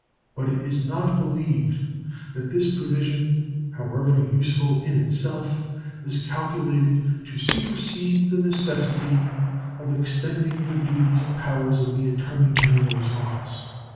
But it is not believed that this provision, however useful in itself, is calculated to supersede the necessity of extending the duties and powers of the Attorney General's Office.